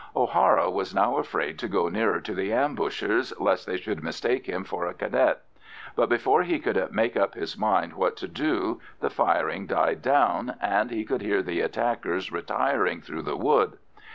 O'Hara was now afraid to go nearer to the ambushers, lest they should mistake him for a Cadet; but before he could make up his mind what to do the firing died down, and he could hear the attackers retiring through the wood.